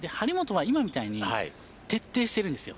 張本は今みたいに徹底してるんです。